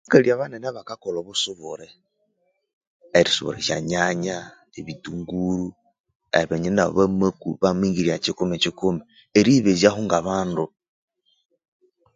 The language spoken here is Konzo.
Abakali abanene abakakolha obusubure erisubura esyanyanya ebitunguru eriminya indi nabo bamingirya kyikumi kyikumi eriyibezyaho nga abandu.